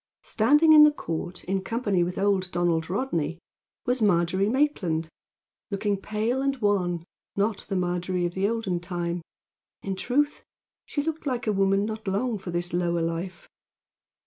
Standing in the court in company with old Donald Rodney was Margery Maitland, looking pale and wan not the Margery of the olden time. In truth she looked like a woman not long for this lower life.